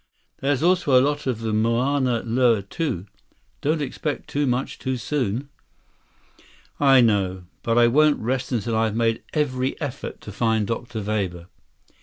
There's also a lot of the Mauna Loa, too. Don't expect too much too soon." "I know. But I won't rest until I've made every effort to find Dr. Weber."